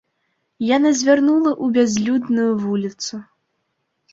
Яна звярнула ў бязлюдную вуліцу.